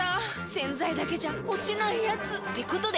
⁉洗剤だけじゃ落ちないヤツってことで。